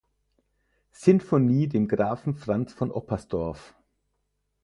Sinfonie dem Grafen Franz von Oppersdorff.